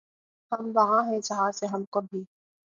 ہم وہاں ہیں جہاں سے ہم کو بھی